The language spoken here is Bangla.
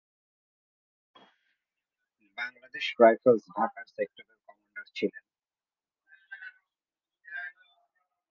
বাংলাদেশ রাইফেলস ঢাকার সেক্টরের কমান্ডার ছিলেন।